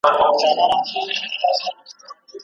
زندانونو ته خپلوان یې وه لېږلي